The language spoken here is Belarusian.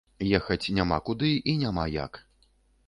Ехаць няма куды і няма як.